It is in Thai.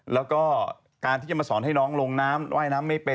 แล้วก็การที่จะมาสอนให้น้องลงน้ำว่ายน้ำไม่เป็น